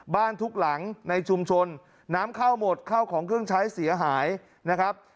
ทุกหลังในชุมชนน้ำเข้าหมดเข้าของเครื่องใช้เสียหายนะครับ